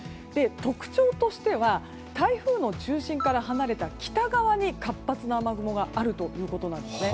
特徴としては台風の中心から離れた北側に活発な雨雲があるということなんですね。